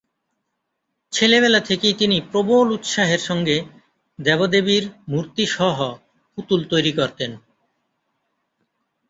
ছেলেবেলা থেকেই তিনি প্রবল উৎসাহের সঙ্গে দেব-দেবীর মূর্তি সহ পুতুল তৈরি করতেন।